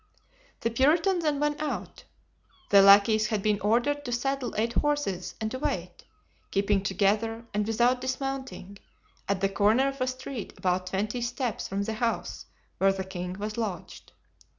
The Puritan then went out. The lackeys had been ordered to saddle eight horses and to wait, keeping together and without dismounting, at the corner of a street about twenty steps from the house where the king was lodged.